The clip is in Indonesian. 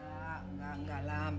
enggak enggak lam